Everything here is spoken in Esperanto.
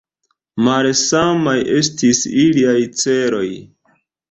Malsamaj estis iliaj celoj.